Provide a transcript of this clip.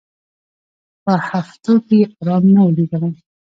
په هفتو کي یې آرام نه وو لیدلی